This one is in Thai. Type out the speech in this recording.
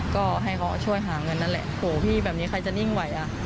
ก็ให้เขาช่วยหาเงินนั่นว่าแบบนี้ใครจะนิ่งไหว